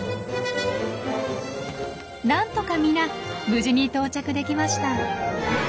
なんとか皆無事に到着できました。